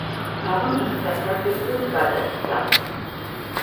დავა მის სასარგებლოდ გადაწყდა.